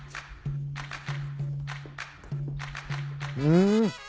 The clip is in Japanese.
うん。